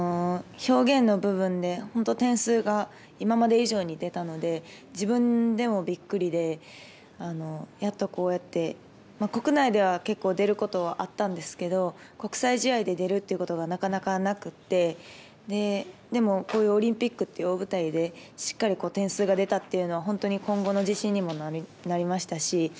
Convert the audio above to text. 表現の部分で本当点数が今まで以上に出たので自分でもびっくりでやっとこうやって国内では結構出ることはあったんですけど国際試合で出るということがなかなかなくてでもこういうオリンピックという大舞台でしっかり点数が出たというのは本当に今後の自信にもなりましたし